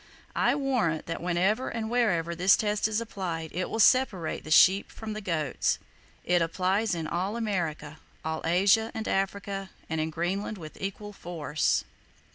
I warrant that whenever and wherever this test is applied it will separate the sheep from the goats. It applies in all America, all Asia and Africa, and in Greenland, with equal force.